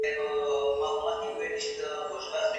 خبرتیا د سیاست لپاره لاره پرانیزي.